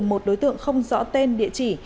một đối tượng không rõ tên địa chỉ